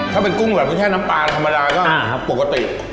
ถ้าเป็นกุ้งแบบแค่น้ำปลาธรรมดาก็ปกติ